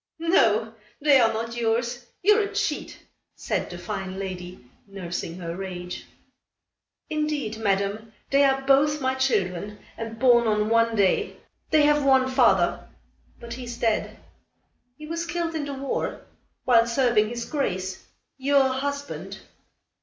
"No! they are not yours. You're a cheat," said the fine lady, nursing her rage. "Indeed, Madame, they are both my children and born on one day. They have one father, but he is dead. He was killed in the war, while serving his grace, your husband."